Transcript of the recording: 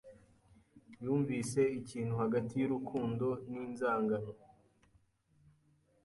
Yumvise ikintu hagati yurukundo ninzangano.